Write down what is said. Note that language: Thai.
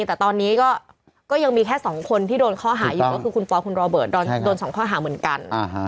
แต่ตอนนี้ก็ยังมีแค่๒คนที่โดนข้อหาอยู่ก็คือคุณปอคุณโรเบิร์ตโดน๒ข้อหาเหมือนกัน